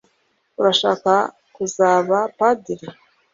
urashaka kuzaba padiri